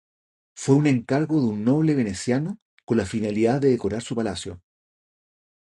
Fue un encargo de un noble veneciano con la finalidad de decorar su palacio.